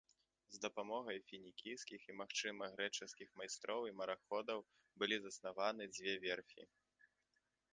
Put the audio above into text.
З дапамогай фінікійскіх і, магчыма, грэчаскіх майстроў і мараходаў былі заснаваны дзве верфі.